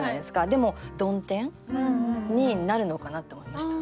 でも曇天になるのかなって思いました。